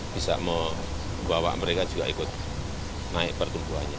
bisa membawa mereka juga ikut naik pertumbuhannya